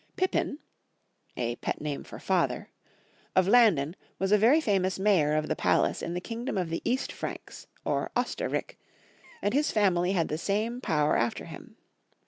Pippin * of Landen was a very famous Mayor of the Palace in the kingdom of the East Franks or Oster rik, and his. family had the same power after him.